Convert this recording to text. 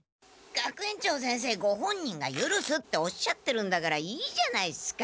学園長先生ご本人が「ゆるす」っておっしゃってるんだからいいじゃないっすか。